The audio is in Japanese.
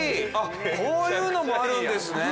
こういうのもあるんですね